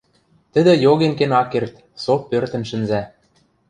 тӹдӹ йоген кен ак керд, со пӧртӹн шӹнзӓ.